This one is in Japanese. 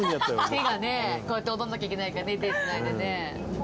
手がねこうやって踊んなきゃいけないからね手つないでね。